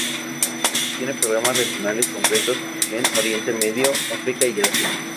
Tiene programas regionales concretos en Oriente Medio, África y Asia.